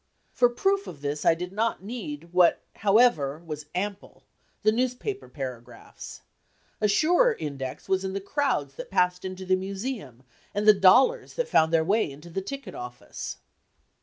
For proof of this I did not need what, however, was [Illustration: MARRIAGE IN MINIATURE.] ample, the newspaper paragraphs. A surer index was in the crowds that passed into the Museum, and the dollars that found their way into the ticket office.